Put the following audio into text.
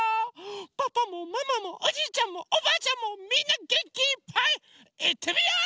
パパもママもおじいちゃんもおばあちゃんもみんなげんきいっぱいいってみよう！